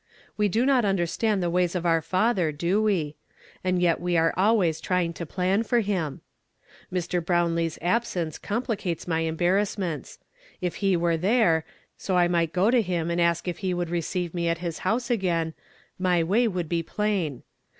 We do not understand the ways of our Fatlicr, do we? And yet we are nlwiiys trying to plan for him 1 Mr. lirownlec s ftbsenee coniplieales my eml)arrassments. If he were tliere, so I miglit go to him and ask if he would reeeive me at his lionse again, my way would be plain.